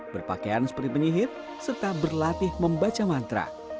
berpakaian seperti penyihir serta berlatih membaca mantra